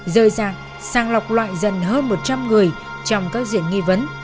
rơi ra sàng lọc loại dần hơn một trăm linh người trong các diện nghi vấn